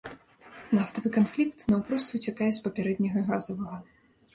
Нафтавы канфлікт наўпрост выцякае з папярэдняга газавага.